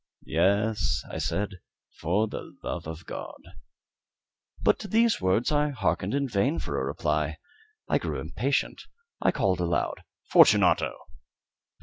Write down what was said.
_" "Yes," I said, "for the love of God!" But to these words I hearkened in vain for a reply. I grew impatient. I called aloud "Fortunato!"